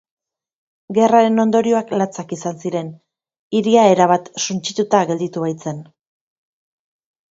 Gerraren ondorioak latzak izan ziren hiria erabat suntsituta gelditu baitzen.